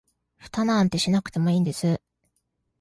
フタなんてしなくてもいいんです